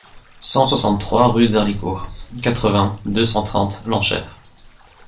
cent soixante-trois rue d'Herlicourt, quatre-vingts, deux cent trente, Lanchères